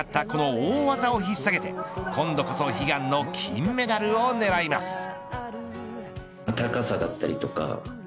この大技を引っさげて今度こそ悲願の金メダルを狙います。